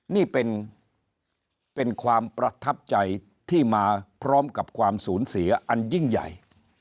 นี่เป็นความประทับใจที่มาพร้อมกับความสูญเสียอันยิ่งใหญ่